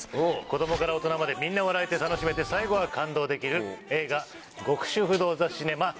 子供から大人までみんな笑えて楽しめて最後は感動できる映画『極主夫道ザ・シネマ』。